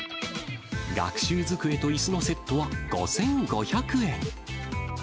学習机といすのセットは５５００円。